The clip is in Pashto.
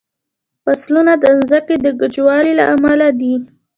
فصلونه د ځمکې د کجوالي له امله دي.